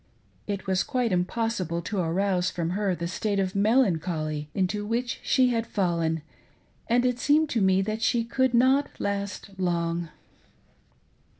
It was quite impossi ble to arouse her from the state of melancholy into which she had fallen, and it seemed to me that she could not last long.